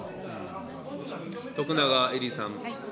徳永エリさん。